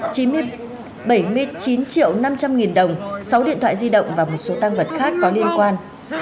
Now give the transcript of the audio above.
bảy mươi chín triệu năm trăm linh nghìn đồng sáu điện thoại di động và một số tăng vật khác có liên quan